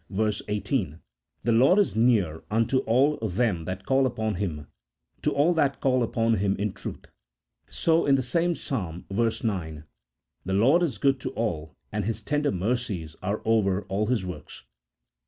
18), " The Lord is near unto all them that call upon Him, to all that call upon Him in truth." So in the same Psalm, verse 9, " The Lord is good to all, and His tender mercies are over all His works."